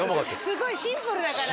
すごいシンプルだからね